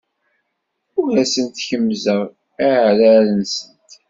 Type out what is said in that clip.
Ur asent-kemmzeɣ iɛrar-nsent.